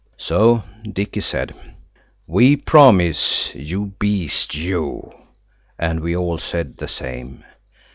So Dicky said– "We promise, you beast, you!" And we all said the same.